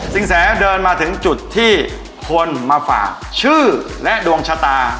แสเดินมาถึงจุดที่คนมาฝากชื่อและดวงชะตา